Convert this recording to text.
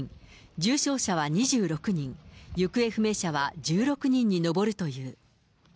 重傷者は２６人、行方不明者は１６人に上るという。